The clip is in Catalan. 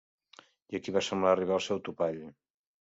I aquí va semblar arribar al seu topall.